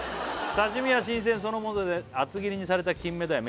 「刺身は新鮮そのもので厚切りにされたきんめだい」